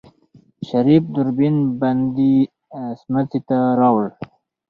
شريف دوربين بندې سمڅې ته واړوه.